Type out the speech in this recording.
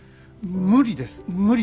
無理です無理。